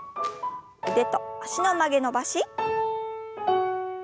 腕と脚の曲げ伸ばし。